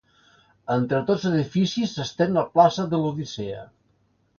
Entre tots dos edificis s'estén la plaça de l'Odissea.